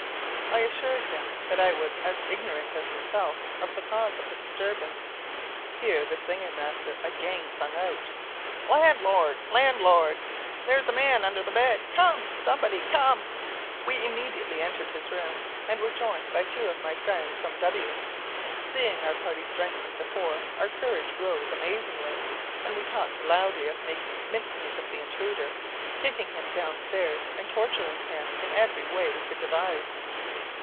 I assured him that I was as ignorant as himself of the cause of the disturbance. Here the singing master again sung out "Landlord! landlord! there's a man under the bed. Cum! somebody cum!" We immediately entered his room, and were joined by two of my friends from W . Seeing our party strengthened to four, our courage rose amazingly, and we talked loudly of making mincemeat of the intruder, kicking him down stairs, and torturing him in every way we could devise.